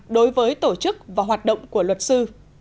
đối với tổ chức và hoạt động của luật sư